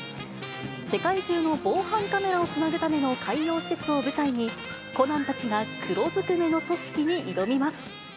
世界中の防犯カメラをつなぐための海洋施設を舞台に、コナンたちが黒ずくめの組織に挑みます。